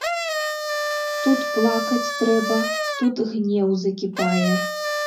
Тут плакаць трэба, тут гнеў закіпае.